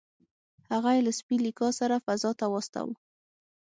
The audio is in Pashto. هغه یې له سپي لیکا سره فضا ته واستاوه